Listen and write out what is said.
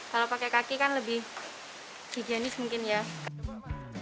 kalau pakai kaki kan lebih higienis mungkin ya